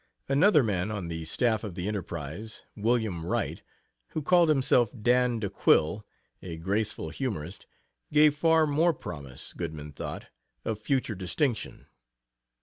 Another man on the staff of the Enterprise, William Wright, who called himself "Dan de Quille," a graceful humorist, gave far more promise, Goodman thought, of future distinction.